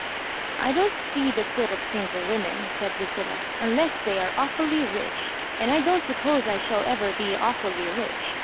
'' I don't see the good of single women," said Lucilla, " unless they are awfully rich; and I don't suppose I shall ever be awfully rich.